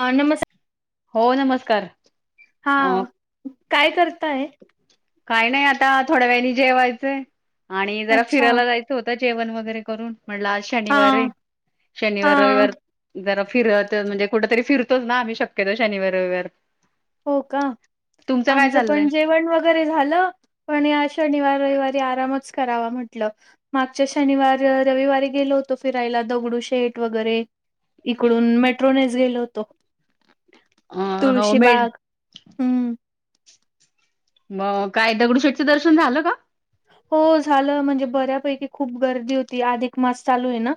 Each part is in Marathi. हा, नमस्कार. हो, नमस्कार. अ हा, काय करताय. काही नाही आता थोड्या वेळानी जेवायचं आणि जरा अच्छा फिरायला जायचं. स्वतः जेवण वगैरे करून म्हणलं आज हा शनिवार आहे. हा शनिवार रविवार. जरा फिरत, म्हणजे कुठ तरी फिरततोच ना आम्ही शक्यतो शनिवार, रविवार. हो का, तुमचं काय आमचं पण चाललंय? जेवण वग गैरे झालं अनि आज शनिवार, रविवारी आरामच करावा म्हटलं. मागच्या शनिवार, रविवारी गेलो होतो फिरायला, दगडू शेठ वगैरे. इकडून मेट्रोनेच गेलो होतो. ह हो मे! तुळशीबाग हम्म. म काय दगडूशेठचं दर्शन झालं का? हो झालं म्हणजे बऱ्यापैकी, खूप गर्दी होती आधीक मास चालू आहे ना.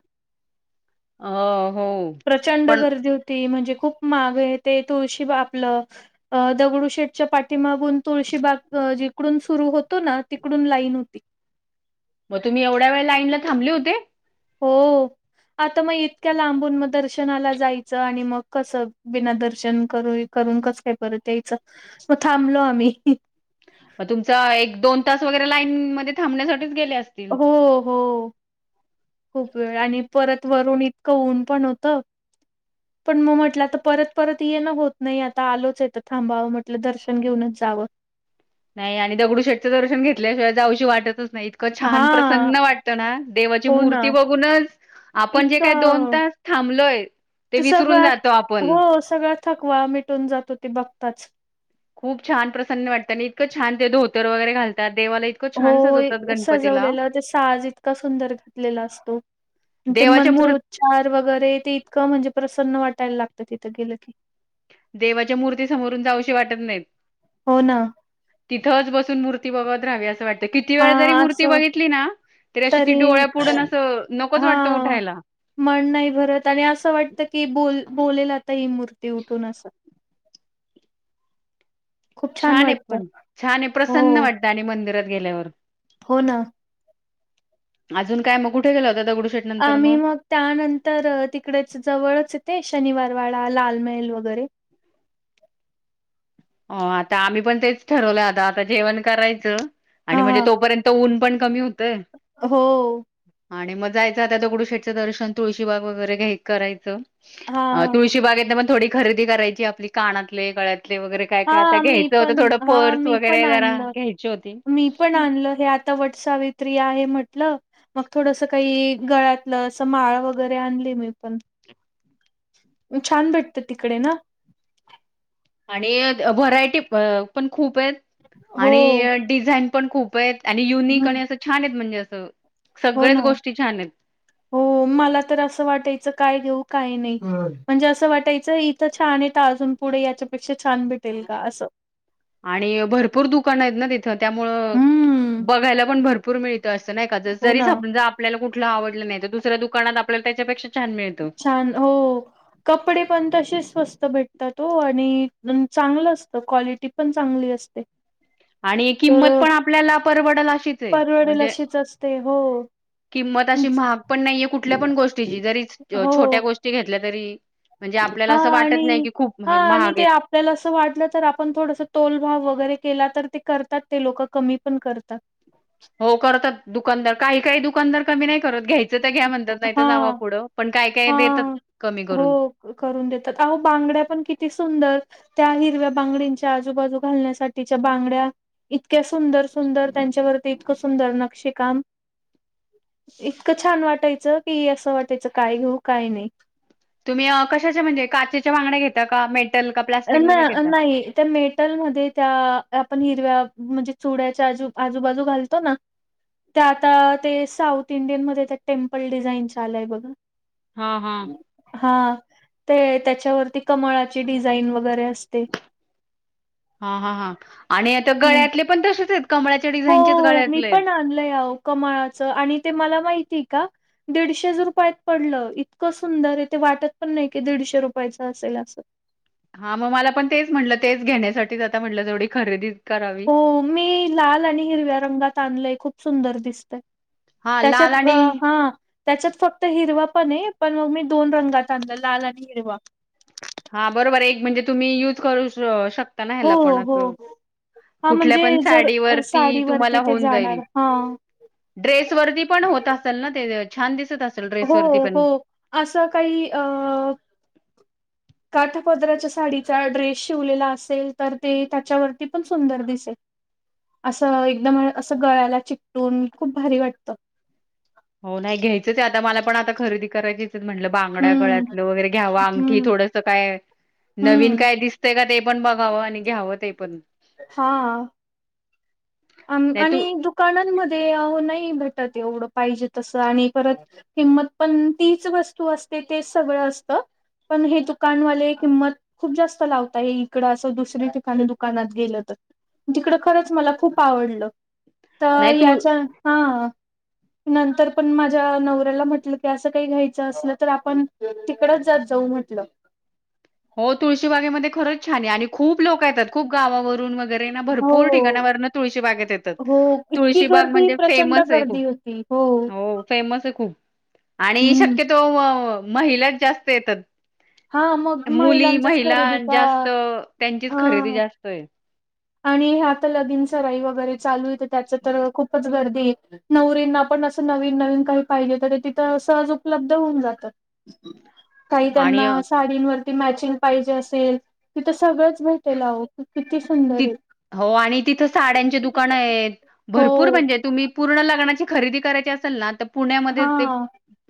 अ हो. प्रचंड पण गर्दी हो ती म्हणजे खूप मागे, ते तुळशी बा आपलं ते अ दगडू शेटच्या पाठीमागून तुळशी बाग जिकडून सुरू होतो ना ती तीकडून लाईन होती. म तुम्ही एवढ्या वेळ लाईन ला थांबले होते? हो! आता म इतक्या लांबून म दर्शनाला जायचं, आणि म कसं बिना दर्शन क करून कस काय परत यायचं, म थांबलो आम्ही. म तुमचा एक दोन तास, वगैरे लाईन मध्ये थांबण्यासाठीच गेले असतील. हो हो खूप वेळ, आणि परत वरून इतकं ऊन पण होतं. [inaudible] पण म म्हटलं आता परत, परत येन होत नही, आता आलोच आहे त थांबावं म्हटलं दर्शन घेऊनच जावं. नाही आणि दगडू शेटचं दर्शन घेतल्याशिवाय जाऊशी वाटतच नाही. इतकं छान हा प्रसन्न वाटतं ना, देवाची हो ना. मूर्ती बघूनच. आपण जे काय दोन इतकं तास थांबलोय, ते विसरून जातो आपण. हो सगळं. थकवा मिटून जातो ते बघताच. खूप छान प्रसन्न वाटत नं इतकं छान ते धोतर वगैरे घालातात देवाला ई होय सजवलेलं ते साज इतका सुंदर घातलेला असतो. ते देवाच्या मंत्र मूर् उच्चार वगैरे ते इतकं म्हणजे प्रसन्न वाटायला लागतं तिथं गेलं की. देवाच्या मूर्ती समोरून जाऊशी वाटत नाहीत. हो ना. तिथंच बसून मूर्ती बघत राहावी असं वाट ते किती हा वेळ जरी मूर्ती असं बघितली ना, तरी अशी ती डोळ्या पुुढन असं नकोच हा वाटतं उठायला. मन नाही भरत, आणि असं वाटत की बोल-बोलेल आता ही मूर्ती उठून अस. खूप छान हे वाटतं पण छान हे हो प्रसन्न वाटत, आणि मंदिरात गेल्यावर. हो ना! अजून काय म कुठे गेला होता दगडू शेठ आम्ही मग. त्यानंतर तिकडे च जवळच ये ते, शनिवारवाडा लाल मेहल वगैरे. अ आता आम्ही पण तेच ठरवलं आता, आता जेवण करायचं. आणि म्हणजे हा तोपर्यंत ऊन पण कमी होतय. हो. आणि म जायचं आता दगडूशेठचं दर्शन, तुळशीबाग वगैरे घ्याय करायचं. अ हां. तुळशी बागेतन पण थोडी खरेदी करायची आपली कानातले गळ्यात ले वगैरे. काय काय आता हां. मी घ्यायचं होतं, पण थोडं हां. पर्स मी पण वगैरे जरा आणलं. घ्यायची होती. मी पण आणलं, हे आता वटसावित्री आहे म्हटलं. मग थोडस काही गळ्यातलं, अस माळ वगैरे आणली मी पण. छान भेटत तिकडे ना? आणि व्हरायटी अ पण खूपेत. हो. आणि डिझाईन पण खूपेत. आणि युनिक हं. आणि असं छानेत, म्हणजे असं हो सगळच ना. गोष्टी छानेत. हो मला तर असं वाटायचं काय घेऊ काय नाही. म्हणजे असं वाटायचं इथ छाने त, अजून पुढे याच्यापेक्षा छान भेटेल का? असं. आणि भरपूर दुकानंयेत ना तिथं. त्यामुळं हम्म. बघायला पण भरपूर मिळ त. असं नाही का, ज हो जरी ना. समजा आपल्याला कुठलं आवडलं नाही. तर दुसऱ्या दुकानात आपल्याला त्याच्यापेक्षा छान मिळतं छान हो. कपडे पण तसेच स्वस्त भेटतात ओ. आणि चांगलं असतं. क्वालिटी पण चांगली असते. आणि तर किंमत अ, पण आपल्याला परवडेल अशीचे. परवडेल म्हणजे अशीच असते हो. किंमत अशी महाग पण नाहीये. कुठल्या पण गोष्टीची. जरी हो छोट्या गोष्टी घेतल्या तरी. म्हणजे आपल्याला हा असं वाटत नाही आणि की, खूप हा हे आणि ते महागे. आपल्याला असं वाटलं तर, आपण थोडस तोल भाव वगैरे केला तर ते करतात. ते लोक कमी पण करतात. हो करतात दुकानदार. काही काही दुकानदार कमी नाही करत. घ्याय च त घ्या म्हणतात. नाही तर हा जावा पुढं. पण काय काय देतात हा. कमी हो करून. करून देतात. अहो बांगड्या पण किती सुंदर. त्या हिरव्या बांगडंच्या आजूबाजू घालण्यासाठीच्या बांगड्या. इतक्या सुंदर सुंदर. त्यांच्यावरती इतकं सुंदर नक्षी काम. इतकं छान वाटायचं कि, असं वाटायचं काय घेऊ काय नाही. तुम्ही अ कशाचे म्हणजे, काचेच्या बांगड्या घेता का? मेटल प्लास्टिकमध्ये घेता न नाही. त्या मेटलमध्ये त्या आपण हिरव्या, म्हणजे चुड्याच्या आजू आजूबाजू घालतो ना? त्या आता ते साऊथ इंडियन मध्ये त्या टेम्पल डिझाईन आलय बघा. हा हा. हा, ते त्याच्यावरती कमळाची डिझाईन वगैरे असते. हा हा हा. आणि आता हम्म गळ्यातले पण तसेचे. कमळा हो, मी पण आणलं आओ. कमाळाचं आणि ते मला माहितीय का? दीडशे रुपयात पडलं. इतकं सुंदरे ते वाटत पण नाही की, दीडशे रुपयाचं असेल असं. हा म मला पण तेच म्हटलं. तेच घेण्यासाठीच आता म्हटलं थोडी खरेदी करावी. हो मी लाल आणि हिरव्या रंगात आणलय. खूप सुंदर दिसतंय. हा लाल त्याच्यात, अ. आणि ह. त्याच्यात फक्त हिरवा पणे. पण मग मी दोन रंगात आणलं. लाल आणि हिरवा. हा बरोबरे. एक म्हणजे तुम्ही युज करू श शकता ना. हो ह्याला पण हो असं. हा कुठल्या म्हणजे पण जर अ, साडीवरती तुम्हाला ते होऊन जाणार जाईल. हा ड्रेस वरती पण होत असल ना? ते ज छान दिसत असेल. हो ड्रेसवरती पण हो. असं काही अ [inaudible] काठा पदराच्या साडीचा ड्रेस शिवलेला असेल, तर ते त्याच्यावरती पण सुंदर दिसेल. असं एकदम असं गळ्याला चिकटून. खूप भारी वाटतं. हो नाही घ्यायचंचे आता. मला पण आता खरेदी करायचीच म्हटलं. बांगड्या, हम्म गळ्यातलं वगैरे घ्यावा. अंगठी हम्म थोडंसं काय नवीन हम्म. काय दिसतंय का ते पण बघावं. आणि घ्यावं ते पण. हा. आम नाही तू आणि दुकानांमध्ये अहो नाही भेटत एवढं पाहिजे तसं. आणि परत किंमत पण तीच वस्तू असते, तेच सगळं असतं. पण हे दुकानवाले किंमत खूप जास्त लावताय हे इकडं असं दुसऱ्या ठिकाणी दुकानात गेलं तर, तिकडं खरंच मला खूप आवडल तर नाही तुळ याच्या हा नंतर पण माझ्या नवऱ्याला म्हटलं, की असं काही घ्यायचं असलं तर आपण तिकडंच जात जाऊ म्हटलं. हो तुळशीबागेमध्ये खरंच छान आहे आणि खूप लोक येतात, खूप गावावरून वगरे ना हो भरपूर ठिकाणावरनं तुळशीबागेत येतात, हो इतकी तुळशीबाग गर्दी म्हणजे प्रचंड फेमस ये खूप गर्दी होती. हो फेमस ये खूप आणि हम्म. शक्यतो महिलाच जास्त येतात. हा मग मुली, महिलांच्याच महिला खरेदीचा जास्त त्यांचीच खरेदी हा जास्तये. आणि हे आता लगीन सराई वगैरे चालूये, तर त्याचं तर खूपच गर्दी नवरींना पण असं नवीन नवीन काही पाहिजे, तर ते तिथं सहज उपलब्ध होऊन जातं. [inaudible] काही त्यांना साडींवर ते मॅचिंग पाहिजे असेल, तिथे सगळेच भेटेल अहो किती सुंदर ती आहे. हो आणि तिथं साड्यांचे दुकानंयेत भरपूर हो म्हणजे तुम्ही पूर्ण लग्नाची खरेदी करायची असेल ना, तर हा पुण्यामध्ये ते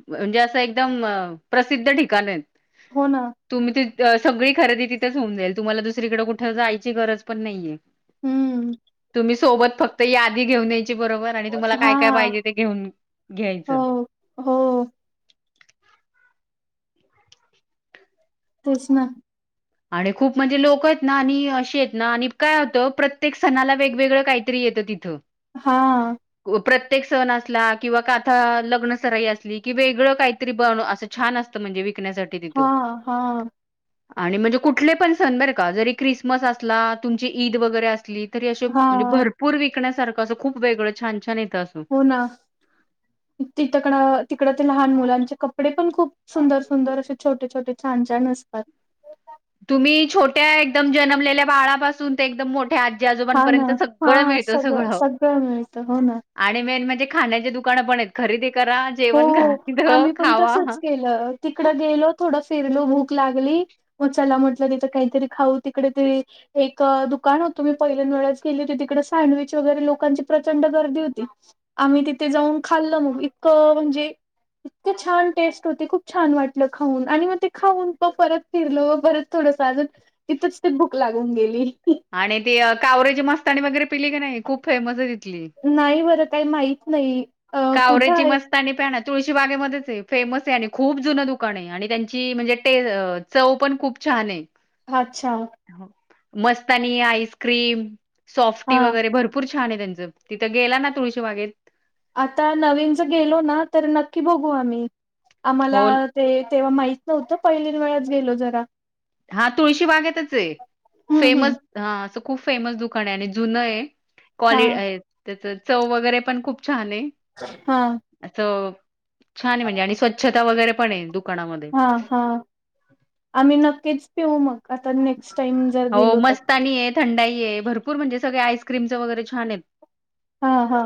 म्हणजे असं एकदम प्रसिद्ध ठिकाणंयेत. हो ना तुम्ही ती सगळी खरेदी तिथेच होऊन जाईल. तुम्हाला दुसरीकडे कुठे जायची गरज पण नाहीये. हम्म. तुम्ही सोबत फक्त यादी घेऊन यायची बरोबर आणि तुम्हाला हा काय काय पाहिजे ते घेऊन हो घ्यायचं. हो तेच ना. आणि खूप म्हणजे लोक आहेत ना, आणि अशी आहेत ना, आणि काय होतं प्रत्येक सणाला वेगवेगळं काही. त्री येतं तिथं. हा प्रत्येक सण असला, किंवा काथा लग्न सराई असली, कि वेगळं काहीतरी बन असं छान असतं म्हणजे विकण्यासाठी तिथ हा हा आणि म्हणजे कुठले पण सण बरं का? जरी ख्रिसमस असला, तुमची ईद वगैरे असली तरी अशे हा म्हणजे भर पूर विकण्यासारखं असं, खूप वेगळं छान छान येत असं. हो ना तीथकडं तिकड ते लहान मुलांचे कपडे पण खूप सुंदर सुंदर असे छोटे छोटे छान छान असतात. तुम्ही छोट्या एकदम जनमलेल्या बाळापासून ते एकदम मोठ्या हा ना आजोबांपर्यंत सगळं हा मिळत सगळं. मिळतं हो ना आणि मेन म्हणजे खाण्याची दुकानं पणयेत, खरेदी करा हो जेवण करा तिथं आम्ही पण खावा. तसच केलं, तिकडं गेलो थोडं फिरलो भूक लागली म चला म्हटलं तिथं काहीतरी खाऊ तिकडे तरी एक दुकान होतं, मी पहिल्यांद वेळेच गेली होती तिकडे सँडविच वगैरे लोकांची प्रचंड गर्दी होती. आम्ही तिथे जाऊन खाल्लं मग इतकं म्हणजे इतकं छान टेस्ट होती, खूप छान वाटलं खाऊन आणि मग ते खाऊन तो परत फिरलो बरच थोडस अजून, तिथंच ती भुक लागून गेली. आणि ते कावरेची मस्ताणी वगैरे पिली की नाही? खूप फेमस आहे तिथली. नाही बरं काही माहित नाही. अ कुठं कावरेची आहे मस्त पाणी प्या ना तुळशी बागेमध्येच आहे फेमस आहे आणि खूप जुन दुकान आहे आणि त्यांची म्हणजेे. ते चव पण खूप छान आहे. माछ्यावर मस्तनी आईस्क्रीम सॉफ्टी हा वगैरे भरपूर छान आहे त्यांचं तिथं गेला ना तुळशी बागेत. आता नवीन ज गेलो ना तर नक्की बघू आम्ही आम्हाला. हो ते तेव्हा माहित नव्हतं पहिलीन वेळाच गेलो जरा. हा तुळशी बागेतच आहे हम्म फेमस. हम्म. हा असं खूप फेमस दुकान आहे आणि जुन आहे. हा क्वाल त्याच चव वगैरे पण खूप छान आहे. हा असं छान आहे म्हणजे आणि स्वच्छता वगैरे पण आहे दुकानामध्ये हा हा आम्ही नक्कीच पिऊ मग आता नेक्स्ट टाईम जर हो गेलो तर मस्तानी आहे, थंडाई आहे भरपूर म्हणजे सगळे आईस्क्रीमचं वगैरे छान आहेत हा हा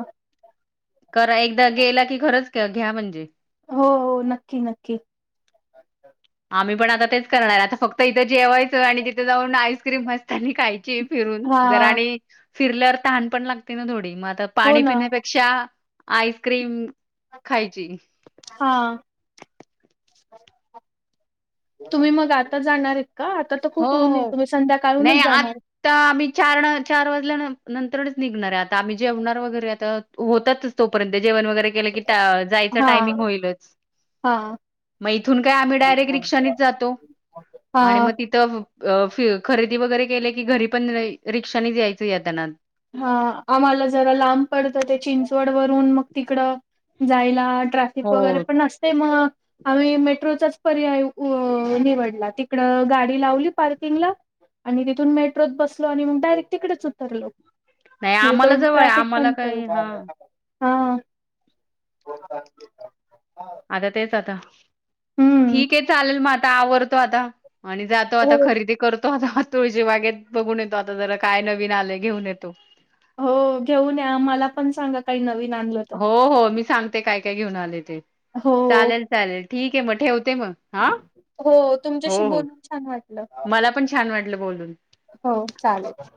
करा एकदा गेला की खरंच घ्या म्हणजे हो हो नक्की नक्की आम्ही पण आता तेच करणार आता फक्त इथं जेवायचं आणि तिथे जाऊन आईस्क्रीम मस्तानी आणि खायची. फिरून हा जर आणि फिरल्यावर तहान पण लागते ना थोडी मग आता हो पाणी ना पिण्यापेक्षा. आईस्क्रीम खायची. हा तुम्ही मग आता जाणार आहेत का आता तर खूप ऊन आहे तुम्ही संध्याकाळूनच जाणार तर आम्ही चार न चार वाजल्या न नंतरनच निघणार आहे आता आम्ही जेवणार वगैरे आता होतातच तोपर्यंत जेवण वगैरे केलं की ता जायचं हा टायमिंग होईलच हा मग इथून काय आम्ही डायरेक्ट रिक्षानीच जातो आणि हा मग तिथ त फि खरेदी वगैरे केले की घरी पण रिक्षानेच यायचं येताना हा आम्हाला जरा लांब पडतं ते चिंचवड वरून मग तिकडं जायला ट्रॅफिक वगैरे हो. पण असतय मग आम्ही मेट्रोचाच पर्याय निवडला तिकडं गाडी लावली पार्किंगला आणि तिथून मेट्रोत बसलो आणि मग डायरेक्ट तिकडेच उतरलो नाही म्हणजे आम्हाला तेवढं जवळ आहे. ट्रॅफिक आम्हाला पण कमी काय हां. हा आता तेच आता हम्म ठीके चालेल मग आता आवरतो आता आणि जातो आता हो खरेदी करतो आता तुळशी बागेत बघून येतो आता जरा काय नवीन आलय घेऊन येतो हो घेऊन या आम्हाला पण सांगा काही नवीन आणलं तर हो हो मी सांगते काय काय घेऊन आले ते हो चालेल चालेल ठीक आहे मग ठेवते मग हा. हो तुमच्याशी हो हो बोलून छान वाटलं मला पण छान वाटलं बोलून. हो चालेल